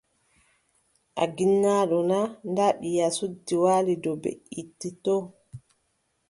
A ginnaaɗo naa, ndaa ɓiya suddi waali dow beʼitte too.